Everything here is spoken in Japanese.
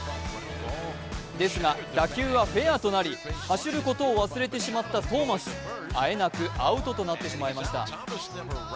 ですが、打球はフェアとなり走ることを忘れてしまったトーマス、あえなくアウトとなってしまいました。